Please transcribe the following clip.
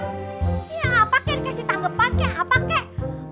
iya apa kek dikasih tanggapan kek apa kek